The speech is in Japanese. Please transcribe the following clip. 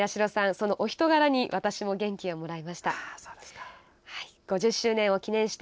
そのお人柄に、私も元気をもらいました。